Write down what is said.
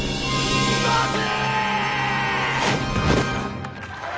待て！